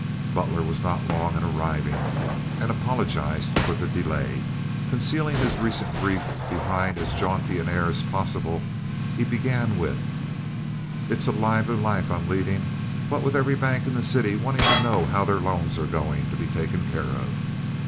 Butler was not long in arriving, and apologized for the delay. Concealing his recent grief behind as jaunty an air as possible, he began with: "It's a lively life I'm leadin', what with every bank in the city wantin' to know how their loans are goin' to be taken care of."